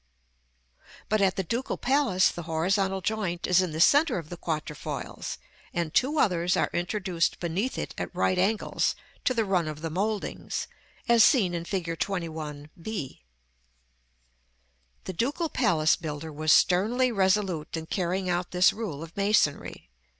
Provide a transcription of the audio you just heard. But at the Ducal Palace the horizontal joint is in the centre of the quatrefoils, and two others are introduced beneath it at right angles to the run of the mouldings, as seen in Fig. XXI., b. The Ducal Palace builder was sternly resolute in carrying out this rule of masonry.